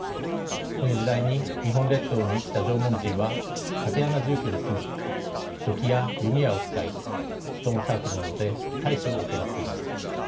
この時代に日本列島に生きた縄文人は竪穴住居に住み土器や弓矢を使いストーンサークルなどで祭祀を行っていました。